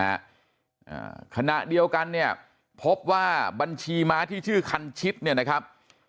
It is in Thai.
อ่าขณะเดียวกันเนี่ยพบว่าบัญชีม้าที่ชื่อคันชิดเนี่ยนะครับ